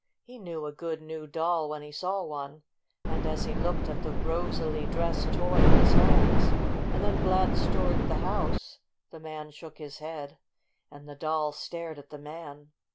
He knew a good, new doll when he saw one. And as he looked at the rosily dressed toy in his hands, and then glanced toward the house, the man shook his head. And the Doll stared at the man.